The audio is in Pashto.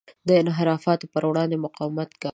د انحرافاتو پر وړاندې مقاومت کوي.